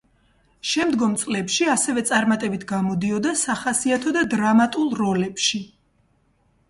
შემდგომ წლებში ასევე წარმატებით გამოდიოდა სახასიათო და დრამატულ როლებში.